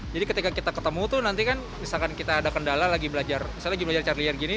jadi ketika kita ketemu tuh nanti kan misalkan kita ada kendala lagi belajar misalnya lagi belajar car liar gini